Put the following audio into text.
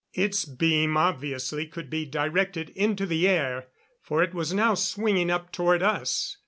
Its beam obviously could be directed into the air, for it was now swinging up toward us.